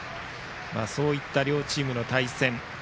そういった両チームの対戦。